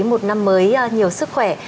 một năm mới nhiều sức khỏe